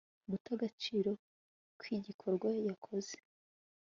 guta agaciro kw igikorwa yakoze